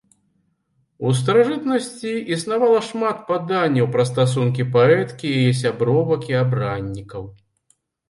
У старажытнасці існавала шмат паданняў пра стасункі паэткі і яе сябровак і абраннікаў.